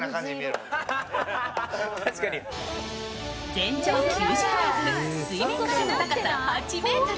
全長９０ｍ、水面からの高さ８ｍ。